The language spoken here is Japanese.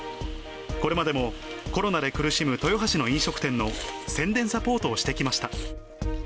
これまでもコロナで苦しむ豊橋の飲食店の宣伝サポートをしてきました。